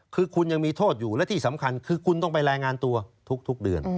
คือคุณยังมีโทษอยู่และที่สำคัญคือคุณต้องไปรายงานตัวทุกเดือน